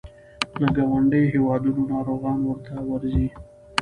له ګاونډیو هیوادونو ناروغان ورته ځي.